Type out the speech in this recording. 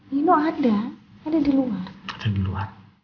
dino ada ada diluar